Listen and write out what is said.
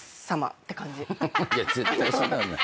絶対そんなんない。